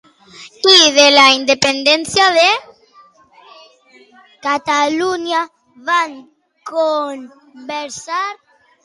I de la independència de Catalunya van conversar?